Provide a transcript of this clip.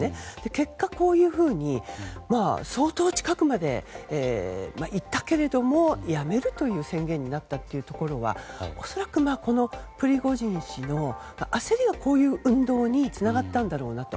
結果、こういうふうに相当近くまで行ったけれども、やめるという宣言になったということは恐らくプリゴジン氏の焦りがこういう運動につながったんだろうなと。